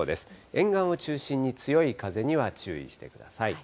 沿岸を中心に強い風には注意してください。